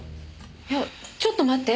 いやちょっと待って。